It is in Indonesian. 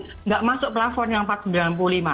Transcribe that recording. tidak masuk plafon yang rp empat sembilan puluh lima